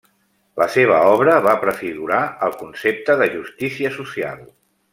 La seva obra va prefigurar el concepte de justícia social.